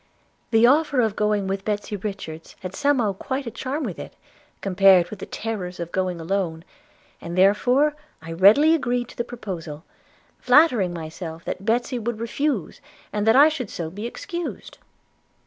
'The offer of going with Betsy Richards had somehow quite a charm with it, compared with the terrors of going alone; and therefore I readily agreed to the proposal, flattering myself that Betsy would refuse, and that I should so be excused.